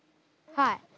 はい。